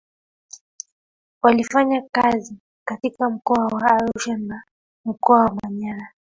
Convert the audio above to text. yalifanya kazi katika mkoa wa arusha na mkoa wa manyara